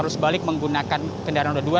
sebalik menggunakan kendaraan roda dua